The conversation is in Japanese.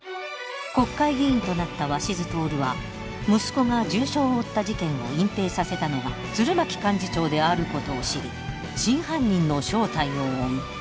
国会議員となった鷲津亨は息子が重傷を負った事件を隠蔽させたのが鶴巻幹事長であることを知り真犯人の正体を追う。